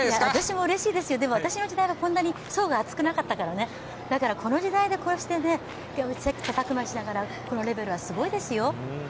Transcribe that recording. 私もうれしいですよでも私の時代はこんなに層が厚くなかったからねこの時代でこうして切さたく磨しながらこのレベルはすごいですよ。